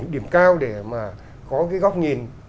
điểm cao để mà có góc nhìn